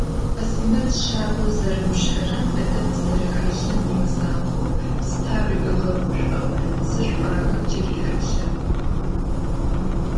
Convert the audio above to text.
Азинэт шъабэу зэрэгущыӏэрэм, ӏэдэб зэрэхэлъым имызакъоу, пстэури ыгъэгушӏоу зы шӏуагъэ джыри хэлъыгъ.